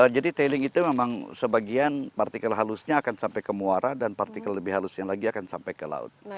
jadi tailing itu memang sebagian partikel halusnya akan sampai ke muara dan partikel lebih halusnya lagi akan sampai ke laut